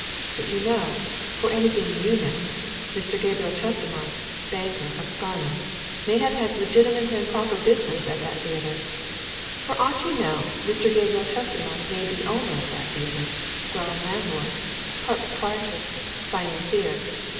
But, you know, for anything you know, Mr. Gabriel Chestermarke, banker, of Scarnham, may have had legitimate and proper business at that theatre. For aught you know, Mr. Gabriel Chestermarke may be owner of that theatre ground landlord part proprietor financier.